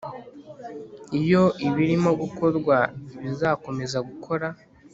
iyo ibirimo gukorwa bizakomezagukora